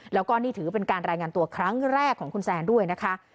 แล้วก็นี่ถือเป็นการรายงานตัวครั้งแรกของคุณแซนด้วยนะคะ